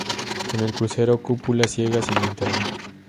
En el crucero cúpula ciega sin linterna.